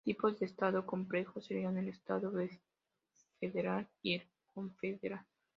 Tipos de Estado complejo serían el Estado federal y el confederal.